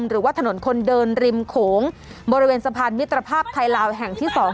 หรือว่าถนนคนเดินริมโขงบริเวณสะพานมิตรภาพไทยลาวแห่งที่๒